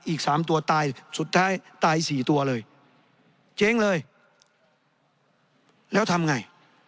อีกสามตัวตายสุดท้ายตายสี่ตัวเลยเจ๊งเลยแล้วทำไง